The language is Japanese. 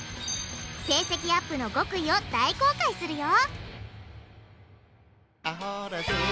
成績アップの極意を大公開するよ！